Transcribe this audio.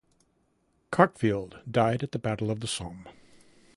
Cockfield, died at the Battle of the Somme.